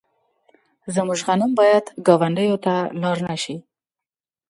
زموږ غنم باید ګاونډیو ته لاړ نشي.